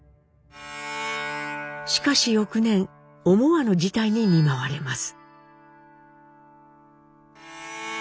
しかし翌年思わぬ事態に見舞われます。